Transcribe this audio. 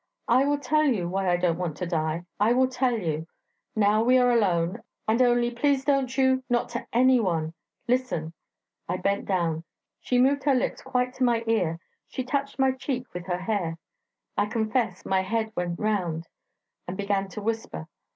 'I will tell you why I don't want to die: I will tell you... Now we are alone; and only, please don't you ... not to any one ... Listen...' I bent down; she moved her lips quite to my ear; she touched my cheek with her hair I confess my head went round and began to whisper...